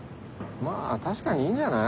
まぁ確かにいいんじゃない？